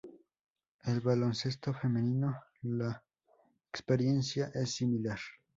En baloncesto femenino, la experiencia es similar.